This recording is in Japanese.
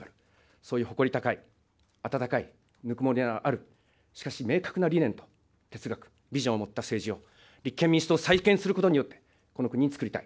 そういう誇り高い、温かい、ぬくもりのある、しかし明確な理念と哲学とビジョンを持った政治を、立憲民主党を再建することによって、この国につくりたい。